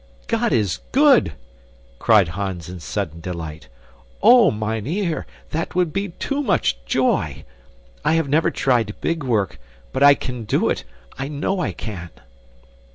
"God is good!" cried Hans in sudden delight. "Oh, mynheer, that would be too much joy. I have never tried big work, but I can do it. I know I can."